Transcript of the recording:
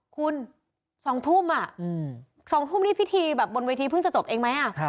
คุณ๒ทุ่ม๒ทุ่มนี่พิธีแบบบนเวทีเพิ่งจะจบเองไหม